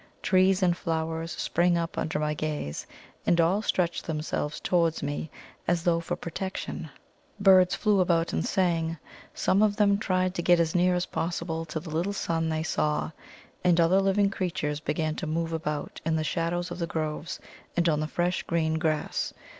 Trees and flowers sprang up under my gaze, and all stretched themselves towards me, as though for protection. Birds flew about and sang; some of them tried to get as near as possible to the little sun they saw; and other living creatures began to move about in the shadows of the groves, and on the fresh green grass.